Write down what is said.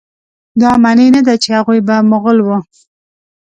دا معنی نه ده چې هغوی به مغول وه.